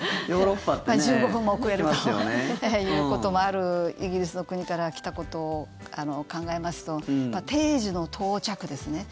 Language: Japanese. １５分も遅れるということもあるイギリスの国から来たことを考えますと、定時の到着ですね。